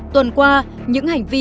tuần qua những hành vi